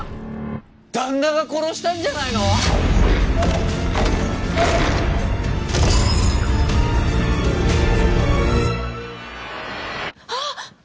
旦那が殺したんじゃないの⁉あっ！